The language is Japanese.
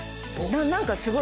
何かすごい。